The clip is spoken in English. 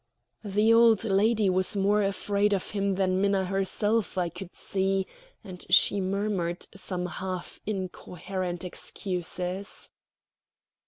The old lady was more afraid of him than Minna herself, I could see, and she murmured some half incoherent excuses.